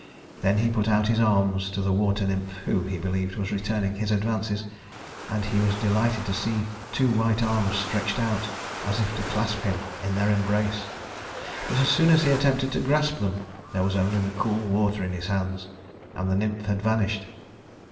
Then he put out his arms to the water nymph who, he believed, was returning his advances, and he was delighted to see two white arms stretched out as if to clasp him in their embrace. But as soon as he attempted to grasp them, there was only the cool water in his hands, and the nymph had vanished.